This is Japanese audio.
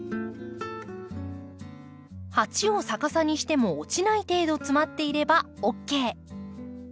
鉢を逆さにしても落ちない程度詰まっていればＯＫ。